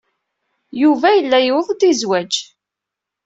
Yuba yella yuweḍ-d i zzwaj.